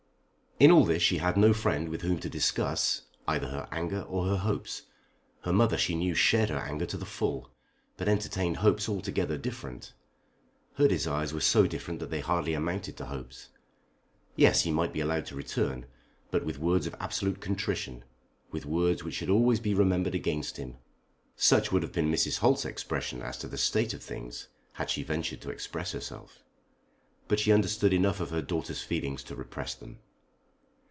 In all this she had no friend with whom to discuss either her anger or her hopes. Her mother she knew shared her anger to the full, but entertained hopes altogether different. Her desires were so different that they hardly amounted to hopes. Yes, he might be allowed to return, but with words of absolute contrition, with words which should always be remembered against him. Such would have been Mrs. Holt's expression as to the state of things had she ventured to express herself. But she understood enough of her daughter's feelings to repress them.